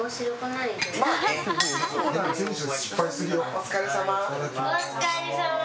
お疲れさま。